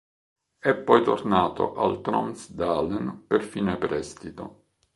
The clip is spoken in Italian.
È poi tornato al Tromsdalen per fine prestito.